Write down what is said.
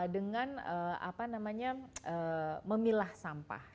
dengan apa namanya memilah sampah